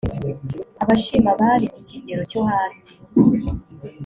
abashima bari ku kigero cyohasi.